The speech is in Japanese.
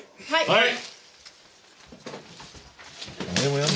はい。